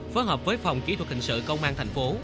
phối hợp với phòng kỹ thuật hình sự công an thành phố